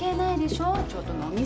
ちょっと飲み過ぎ。